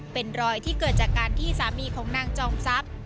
เป็นรอยที่เกิดจากการที่สามีของนางจอมทรัพย์